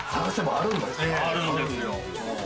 あるんですよ。